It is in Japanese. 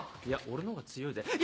「いや俺のほうが強いぜ」。